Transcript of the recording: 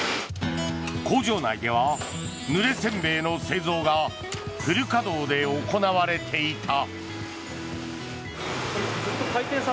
工場内では、ぬれ煎餅の製造がフル稼働で行われていた。